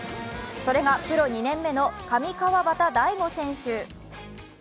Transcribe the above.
それがプロ２年目の上川畑大悟選手。